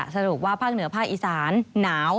สรุปว่าภาคเหนือภาคอีสานหนาว